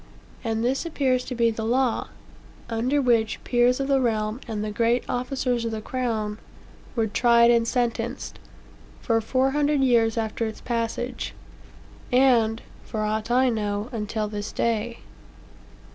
And this appears to be the law, under which peers of the realm and the great officers of the crown were tried and sentenced, for four hundred years after its passage, and, for aught I know, until this day.